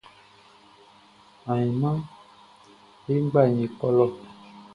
Ainman ye nʼgba ye kɔ lɔ.